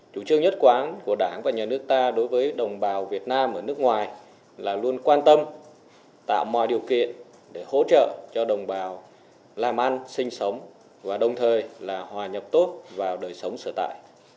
chủ trương nhất quán của đảng và nhà nước ta đối với đồng bào việt nam ở nước ngoài là luôn quan tâm tạo mọi điều kiện để hỗ trợ cho đồng bào làm ăn sinh sống và đồng thời là hòa nhập tốt vào đời sống sở tại